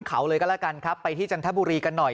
เขาเลยก็แล้วกันครับไปที่จันทบุรีกันหน่อย